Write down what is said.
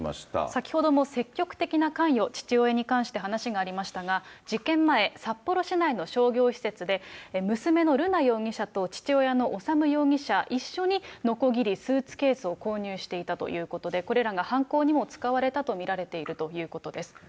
先ほども積極的な関与、父親に関して話がありましたが、事件前、札幌市内の商業施設で、娘の瑠奈容疑者と父親の修容疑者、一緒にのこぎり、スーツケースを購入していたということで、これらが犯行にも使われたと見られているということです。